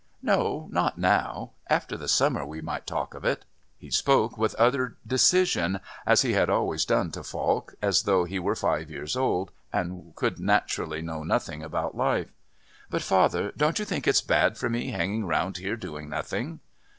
"No, not now. After the summer we might talk of it." He spoke with utter decision, as he had always done to Falk, as though he were five years old and could naturally know nothing about life. "But, father don't you think it's bad for me, hanging round here doing nothing?"